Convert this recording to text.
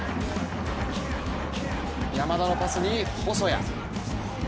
山田のパスに細谷。